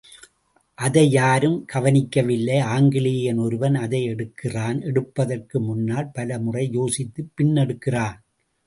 அதை யாரும் கவனிக்கவில்லை ஆங்கிலேயன் ஒருவன் அதை எடுக்கிறான் எடுப்பதற்கு முன்னால் பல முறை யோசித்துப் பின் எடுக்கிறான்.